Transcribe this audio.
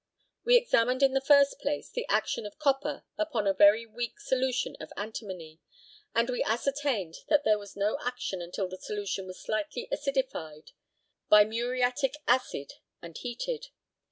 We examined in the first place the action of copper upon a very weak solution of antimony, and we ascertained that there was no action until the solution was slightly acidified by muriatic acid and heated.